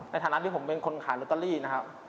ในฐานะที่ผมเป็นคนขายลอตเตอรี่นะครับ